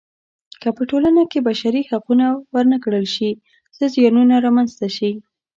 که په ټولنه کې بشري حقونه ورنه کړل شي څه زیانونه رامنځته شي.